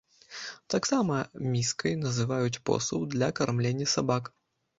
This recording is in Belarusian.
Таксама міскай называюць посуд для кармлення сабак.